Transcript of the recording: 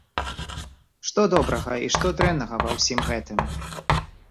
Што добрага і што дрэннага ва ўсім гэтым?